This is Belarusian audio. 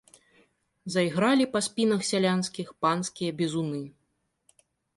Заігралі па спінах сялянскіх панскія бізуны.